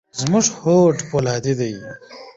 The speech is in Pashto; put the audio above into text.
زموږ هوډ فولادي دی.